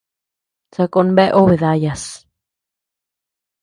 Sako bea obe dayas.